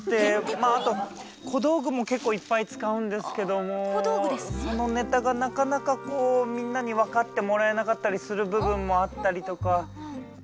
まああと小道具も結構いっぱい使うんですけどもそのネタがなかなかこうみんなに分かってもらえなかったりする部分もあったりとか。